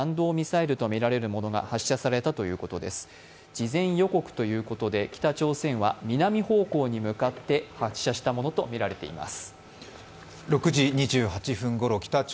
事前予告ということで北朝鮮は南方向に向かって発射したものとみられています。